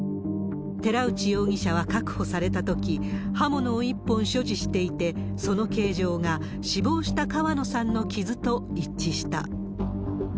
寺内容疑者は確保されたとき、刃物を１本所持していて、その形状が死亡した川野さんの傷と一致した。